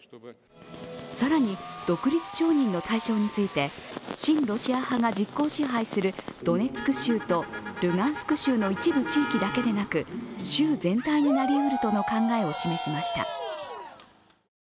更に、独立承認の対象について親ロシア派が実効支配するドネツク州とルガンスク州の一部地域だけでなく州全体になりうるとの考えを示しました。